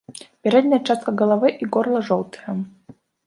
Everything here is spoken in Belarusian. Пярэдняя частка галавы і горла жоўтыя.